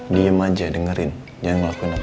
diem aja dengerin jangan ngelakuin apa